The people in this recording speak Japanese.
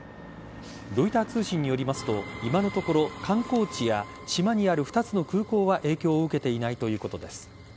ロイター通信によりますと今のところ観光地や、島にある２つの空港は影響を受けていないということです。